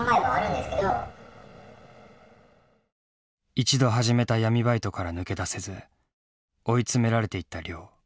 一度始めた闇バイトから抜け出せず追い詰められていった亮。